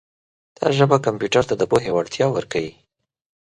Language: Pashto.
دا ژبه کمپیوټر ته د پوهې وړتیا ورکوي.